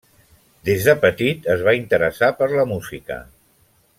Des de petit es va interessar per la música.